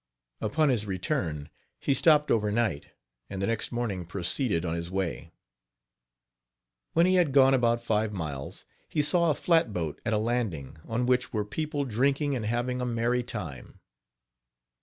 Upon his return, he stopped over night, and the next morning proceeded on his way. When he had gone about five miles, he saw a flat boat at a landing, on which were people drinking and having a merry time.